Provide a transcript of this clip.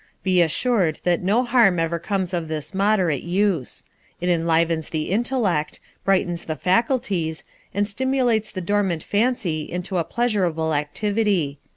Be assured that no harm ever comes of this moderate use. It enlivens the intellect, brightens the faculties, and stimulates the dormant fancy into a pleasurable activity.